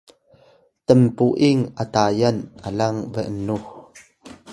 tnpu’ing atayan alang b’nux